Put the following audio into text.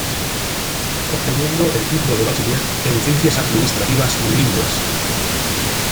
Obteniendo el titulo de Bachiller en Ciencias Administrativas Bilingües.